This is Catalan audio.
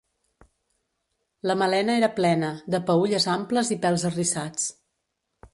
La melena era plena, de peülles amples i pèls arrissats.